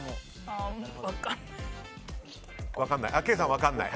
分かんない。